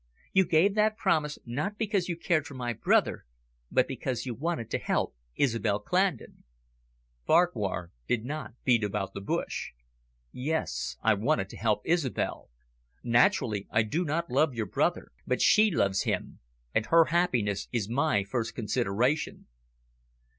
"You gave that promise not because you cared for my brother, but because you wanted to help Isobel Clandon." Farquhar did not beat about the bush. "Yes, I wanted to help Isobel. Naturally, I do not love your brother, but she loves him. And her happiness is my first consideration."